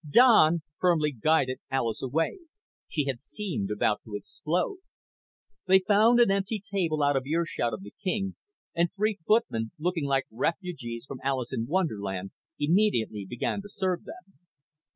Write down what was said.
Don firmly guided Alis away. She had seemed about to explode. They found an empty table out of earshot of the king, and three footmen looking like refugees from Alice in Wonderland immediately began to serve them.